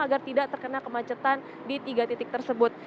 agar tidak terkena kemacetan di tiga titik tersebut